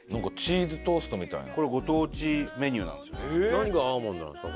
何がアーモンドなんですか？